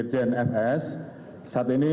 jdr fs saat ini